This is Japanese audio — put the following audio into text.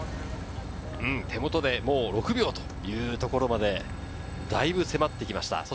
手元でもう６秒というところまで、だいぶ迫ってきました。